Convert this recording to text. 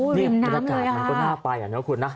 โอ้โหเป็นน้ำเลยค่ะมันก็น่าไปอ่ะเนอะคุณนะ